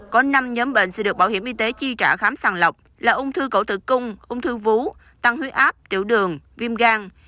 có năm nhóm bệnh sẽ được bảo hiểm y tế chi trả khám sàng lọc là ung thư cổ tử cung ung thư vú tăng huyết áp tiểu đường viêm gan